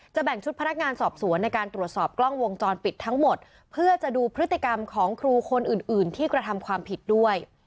แบ่งชุดพนักงานสอบสวนในการตรวจสอบกล้องวงจรปิดทั้งหมดเพื่อจะดูพฤติกรรมของครูคนอื่นอื่นที่กระทำความผิดด้วย